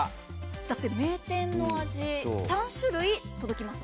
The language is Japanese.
だって名店の味、３種類届きますよね。